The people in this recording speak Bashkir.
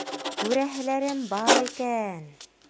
Күрәһеләрем бар икән!